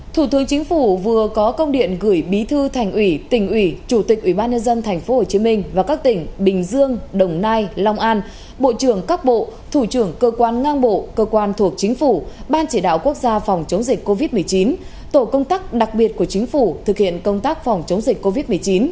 thủ tướng chính phủ vừa có công điện gửi bí thư thành ủy tỉnh ủy chủ tịch ubnd tp hcm và các tỉnh bình dương đồng nai long an bộ trưởng các bộ thủ trưởng cơ quan ngang bộ cơ quan thuộc chính phủ ban chỉ đạo quốc gia phòng chống dịch covid một mươi chín tổ công tác đặc biệt của chính phủ thực hiện công tác phòng chống dịch covid một mươi chín